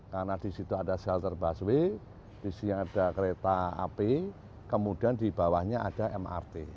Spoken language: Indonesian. karena di situ ada shelter baswi di sini ada kereta ap kemudian di bawahnya ada mrt